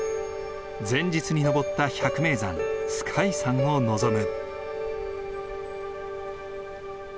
前日に登った百名山皇海山を望む。